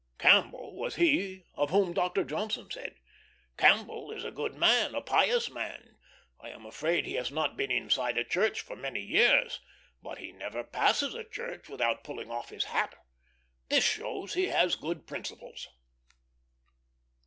Campbell was he of whom Dr. Johnson said: "Campbell is a good man, a pious man; I am afraid he has not been inside a church for many years; but he never passes a church without pulling off his hat. This shows he has good principles."